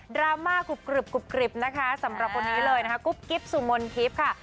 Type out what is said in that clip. ราม่ากรุบกริบนะคะสำหรับคนนี้เลยนะคะกุ๊บกิ๊บสุมนทิพย์ค่ะ